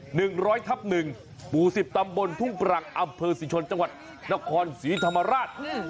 หนึ่งร้อยทับหนึ่งหมู่สิบตำบลทุ่งปรังอำเภอศรีชนจังหวัดนครศรีธรรมราชอืม